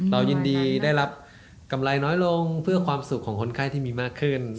เรายินดีได้รับกำไรน้อยลงเพื่อความสุขของคนไข้ที่มีมากขึ้น